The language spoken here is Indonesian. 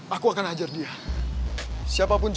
ya sekarang bedanya